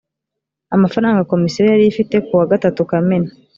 amafaranga komisiyo yari ifite ku wa gatatu kamena